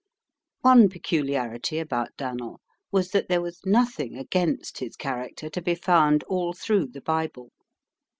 One peculiarity about Dan'l was that there was nothing against his character to be found all through the Bible.